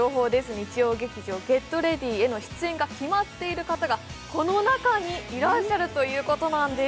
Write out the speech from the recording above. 日曜劇場「ＧｅｔＲｅａｄｙ！」への出演が決まっている方がこの中にいらっしゃるということなんです。